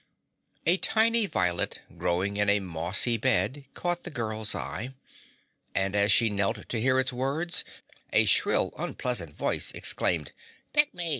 A tiny violet growing in a mossy bed caught the girl's eye, and as she knelt to hear its words, a shrill, unpleasant voice exclaimed, "Pick me!